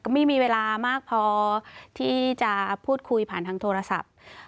ก็ไม่มีเวลามากพอที่จะพูดคุยผ่านทางโทรศัพท์